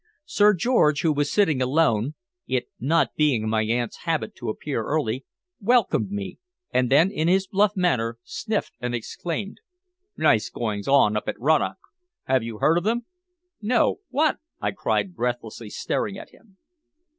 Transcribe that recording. Sir George, who was sitting alone it not being my aunt's habit to appear early welcomed me, and then in his bluff manner sniffed and exclaimed: "Nice goings on up at Rannoch! Have you heard of them?" "No. What?" I cried breathlessly, staring at him.